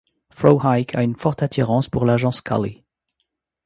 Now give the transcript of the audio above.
Frohike a une forte attirance pour l'Agent Scully.